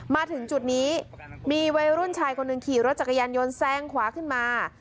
มาถึงจุดนี้มีวัยรุ่นชายคนหนึ่งขี่รถจักรยานยนต์แซงขวาขึ้นมา